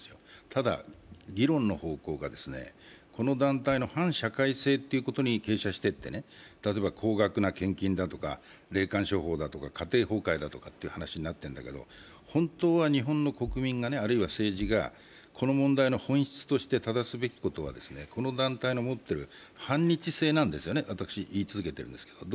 ただ議論の方向がこの団体の反社会性ということに傾倒していって例えば、高額な献金だとか、霊感商法だとか、家庭崩壊だとかいう話になっているんだけど、日本の国民があるいは政治がこの問題の本質としてただすべきことはこの団体の持ってる反日性なんですね、私、言い続けていますけれども。